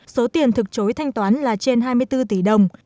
số tiền thực chối thanh toán là trên hai mươi bốn tỷ đồng